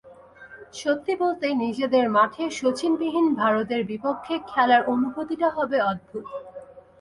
সত্যি বলতে, নিজেদের মাঠে শচীনবিহীন ভারতের বিপক্ষে খেলার অনুভূতিটা হবে অদ্ভুত।